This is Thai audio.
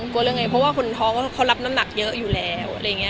เพราะว่าคนท้องเขารับน้ำหนักเยอะอยู่แล้ว